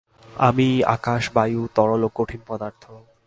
আমিই আকাশ, বায়ু, তরল ও কঠিন পদার্থ।